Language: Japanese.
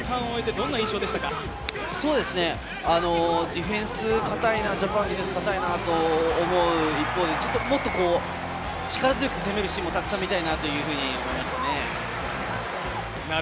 ディフェンス固いな、ジャパンのディフェンス固いなと思う一方で、もっと力強く攻めるシーンもたくさん見たいなというふうに思いました。